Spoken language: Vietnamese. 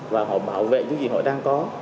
và họ bảo vệ những gì họ đang có